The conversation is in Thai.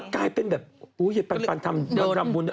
กลายเป็นแบบอุ๊ยเย็นปันปันทำดนตรรมบุญ